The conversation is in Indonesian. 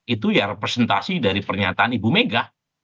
itu ya representasi dari pernyataan ibu mega